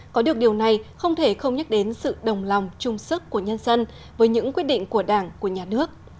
có được điều này không thể không nhắc đến sự đồng lòng trung sức của nhân dân với những quyết định của đảng của nhà nước